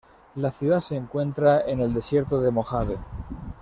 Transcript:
La ciudad se encuentra en el Desierto de Mojave.